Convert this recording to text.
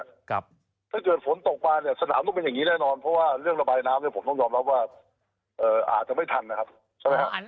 ถ้าเกิดฝนตกมาเนี่ยสนามต้องเป็นอย่างนี้แน่นอนเพราะว่าเรื่องระบายน้ำเนี่ยผมต้องยอมรับว่าอาจจะไม่ทันนะครับใช่ไหมครับ